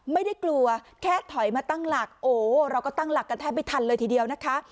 ไม่ได้กลัวแค่ถอยมาตั้งหลักโอ้เราก็ตั้งหลักกันแทบไม่ทันเลยทีเดียวนะคะ